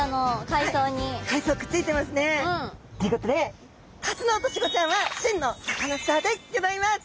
海藻くっついていますね。ということでタツノオトシゴちゃんは真のサカナスターでギョざいます。